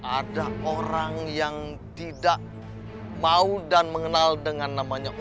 ada orang yang tidak mau dan mengenal dengan namanya